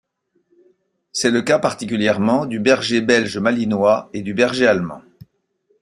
C'est le cas particulièrement du berger belge malinois et du berger allemand.